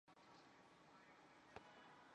泰晤士高等教育全球大学就业能力排名。